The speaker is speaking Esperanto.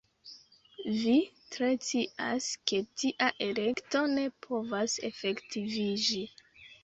Vi tre scias, ke tia elekto ne povas efektiviĝi.